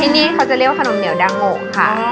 อันนี้เขาจะเรียกว่าขนมเหนียวดังโหกค่ะ